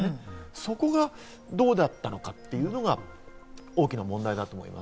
そこがどうだったのかというのが大きな問題だと思います。